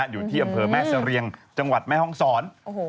อยู่ที่อำเภอแม่เสรียงจังหวัดแม่ห้องศร